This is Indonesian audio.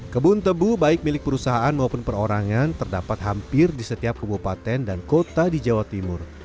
kebun tebu baik milik perusahaan maupun perorangan terdapat hampir di setiap kebupaten dan kota di jawa timur